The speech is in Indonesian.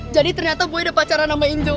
jadi ternyata boy udah pacaran sama injil